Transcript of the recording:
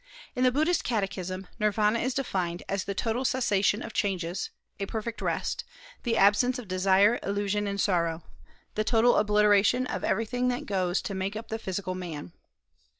In the Buddhist catechism Nirvana is defined as the "total cessation of changes; a perfect rest; the absence of desire, illusion, and sorrow; the total obliteration of everything that goes to make up the physical man."